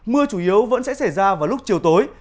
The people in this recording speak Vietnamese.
mưa chủ yếu vẫn sẽ xảy ra vào lúc chiều tối